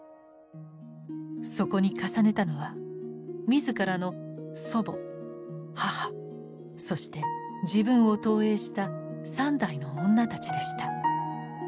そこに重ねたのは自らの祖母母そして自分を投影した三代の女たちでした。